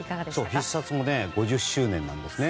「必殺」も５０周年なんですね。